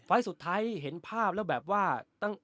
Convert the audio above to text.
ไฟล์สุดท้ายเห็นภาพมึง